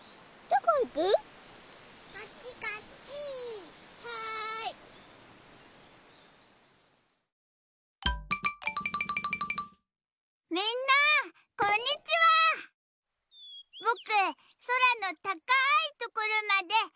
ぼくそらのたかいところまでいってきます！